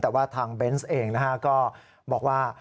แต่ว่าทางเบนส์เองก็บอกว่า